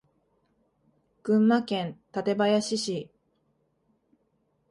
群馬県館林市